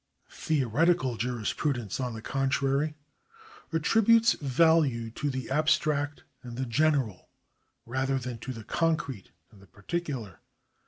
Theoretical jurisprudence, on the contrary, attributes value to the abstract and the general, rather than to the concrete and the particular.